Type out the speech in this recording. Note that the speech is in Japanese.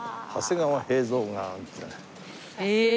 へえ。